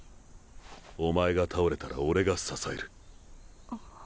お前が倒れたら俺が支える。